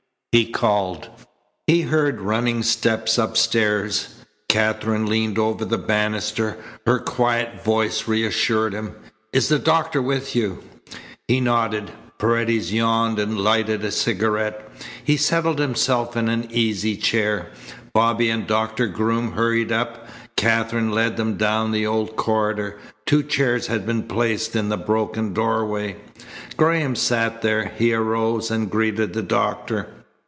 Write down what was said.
he called. He heard running steps upstairs. Katherine leaned over the banister. Her quiet voice reassured him. "Is the doctor with you?" He nodded. Paredes yawned and lighted a cigarette. He settled himself in an easy chair. Bobby and Doctor Groom hurried up. Katherine led them down the old corridor. Two chairs had been placed in the broken doorway. Graham sat there. He arose and greeted the doctor.